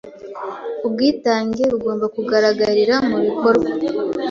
Ubwitange bugomba kugaragarira mu bikorwa